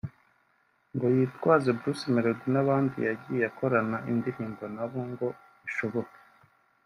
ngo yitwaze Bruce Melodie n’abandi yagiye akorana indirimbo na bo ngo bishoboke